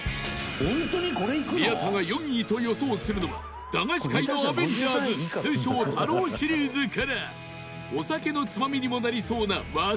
宮田が４位と予想するのは駄菓子界のアベンジャーズ通称、太郎シリーズからお酒のつまみにもなりそうなわさびのり